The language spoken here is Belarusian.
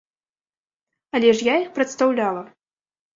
Але ж я іх прадстаўляла.